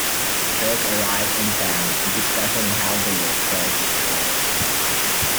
Trick arrive in town, discussing how they will kill the slayer.